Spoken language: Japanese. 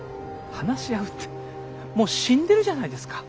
話し合うってもう死んでるじゃないですか。